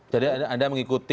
jadi anda mengikuti